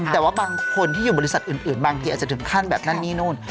แต่ว่าบางคนที่อยู่บริษัทอื่นบางทีอาจจะถึงขั้นแบบนั่นนี่นู่น